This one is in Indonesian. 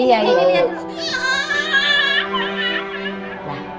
masih ada yang ngelakuin